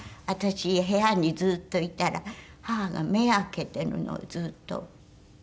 私部屋にずっといたら母が目開けてるのずっと。